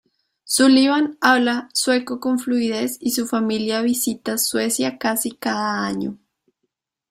Sullivan habla sueco con fluidez y su familia visita Suecia casi cada año.